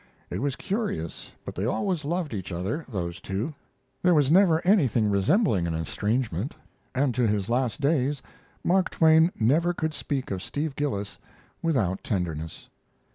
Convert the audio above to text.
It was curious, but they always loved each other, those two; there was never anything resembling an estrangement, and to his last days Mark Twain never could speak of Steve Gillis without tenderness.